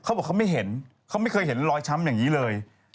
เขาบอกเขาไม่เห็นเขาไม่เคยเห็นรอยช้ำอย่างนี้เลย